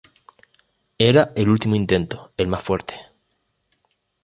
Era el último intento, el más fuerte.